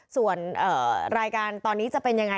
ส่วนรายการตอนนี้จะเป็นยังไง